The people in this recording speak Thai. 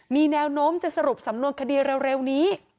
มีแนวโน้มจะสรุปสำนวนคดีเร็วนี้